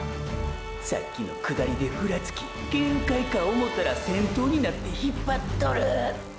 さっきの下りでフラつき限界か思うたら先頭になって引っぱっとる！！